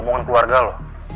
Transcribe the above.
omongan keluarga lo